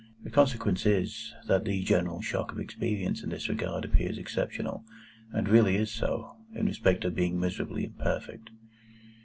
The consequence is, that the general stock of experience in this regard appears exceptional, and really is so, in respect of being miserably imperfect.